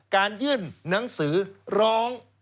ยื่นหนังสือร้อง